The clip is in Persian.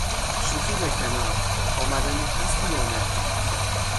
شوخی به کنار، آمدنی هستی یا نه؟